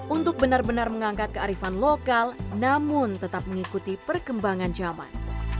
untuk benar benar mengangkat kearifan lokal namun tetap mengikuti perkembangan zaman